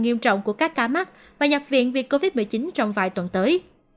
nghiêm trọng của các ca mắc và nhập viện vì covid một mươi chín trong vài tuần tới